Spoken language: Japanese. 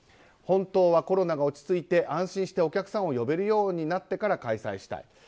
本当はコロナが落ち着いて安心してお客さんを呼べるようになってから開催したい。